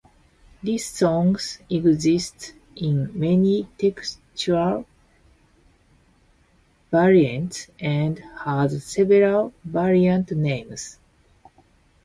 This song exists in many textual variants and has several variant names.